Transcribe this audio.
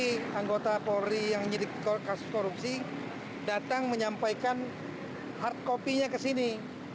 jadi anggota polri yang nyidik kasus korupsi datang menyampaikan hard copy nya ke sini